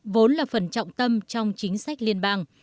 vốn là phần trọng tâm trong chính sách liên bang